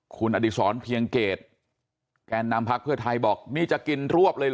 คุณอดีศรเพียงเกตแกนนำพักเพื่อไทยบอกนี่จะกินรวบเลยเหรอ